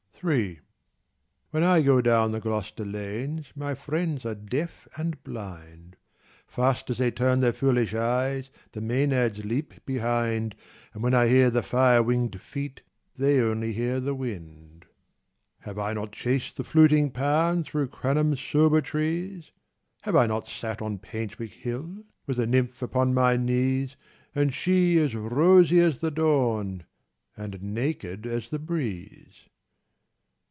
Ill When I go down the Gloucester lanes My friends are deaf and blind : Fast as they turn their foolish eyes The Maenads leap behind. And when I hear the fire winged feet. They only hear the wind. 177 M Have I not chased the fluting Pan Through Cranham's sober trees ? Have I not sat on Painswick Hill With a nymph upon my knees, And she as rosy as the dawn, And naked as the breeze